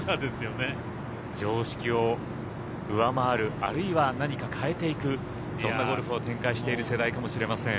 常識を上回るあるいは変えていくそんなゴルフを展開している世代かもしれません。